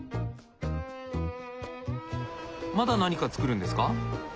まだ何か作るんですか？